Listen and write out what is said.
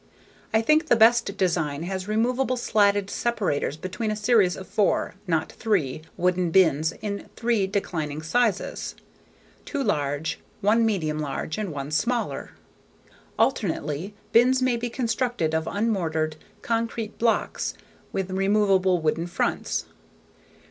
I think the best design has removable slatted separators between a series of four (not three) wooden bins in three declining sizes: two large, one medium large and one smaller. Alternatively, bins may be constructed of unmortared concrete blocks with removable wooden fronts.